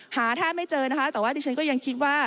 หาแทบไม่เจอนะคะแต่ว่าดิฉันก็ยังคิดว่า